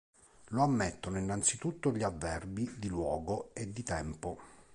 Lo ammettono innanzitutto gli avverbi di luogo e di tempo.